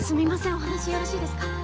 お話よろしいですか